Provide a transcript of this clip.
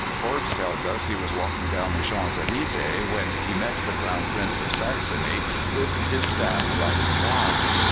Forbes tells us he was walking down the Champs Elysées when he met the Crown Prince of Saxony with his staff riding by.